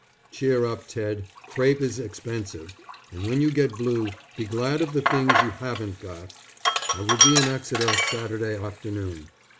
Cheer up Ted crepe is expensive, and when you get blue be glad of the things you haven't got. I will be in Exeter Saturday afternoon.